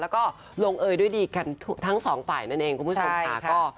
แล้วก็ลงเอยด้วยดีกันทั้งสองฝ่ายนั่นเองคุณผู้ชมค่ะ